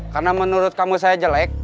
karena menurut kamu saya jelek